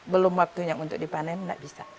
belum waktunya untuk dipanen tidak bisa